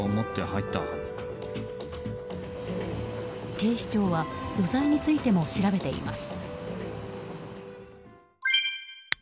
警視庁は余罪についても調べています。